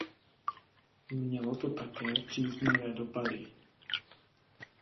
Mělo to také příznivé dopady.